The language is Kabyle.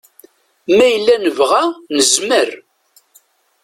Ma yella nebɣa, nezmer.